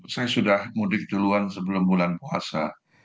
saya sudah mudik duluan sebelum bulan puasa